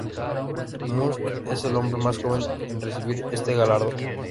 Musk es el hombre más joven en recibir este galardón.